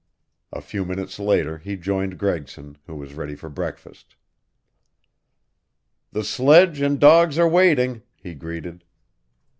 A few minutes later he joined Gregson, who was ready for breakfast. "The sledge and dogs are waiting," he greeted.